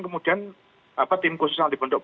kemudian tim khusus yang dibentuk